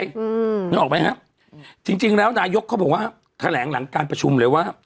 อืมนึกออกไหมฮะอืมจริงจริงแล้วนายกเขาบอกว่าแถลงหลังการประชุมเลยว่า